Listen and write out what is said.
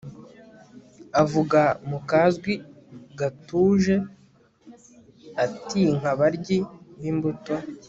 avuga mukazwi gatuje atinkabaryi bimbuto